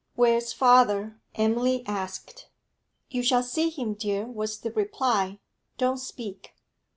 'Where's father?' Emily asked. 'You shall see him, dear,' was the reply. 'Don't speak.'